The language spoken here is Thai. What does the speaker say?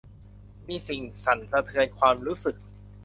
มีสิ่งสั่นสะเทือนความรู้สึก